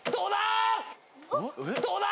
どうだ！？